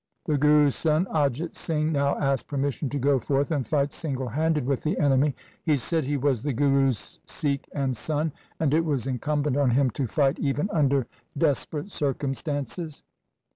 The Guru's son Ajit Singh now asked permission to go forth and fight single handed with the enemy. He said he was the Guru's Sikh and son, and it was incumbent on him to fight even under desperate circumstances.